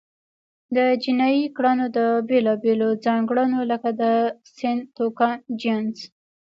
د جنایي کړنو د بیلابېلو ځانګړنو لکه د سن، توکم، جنس،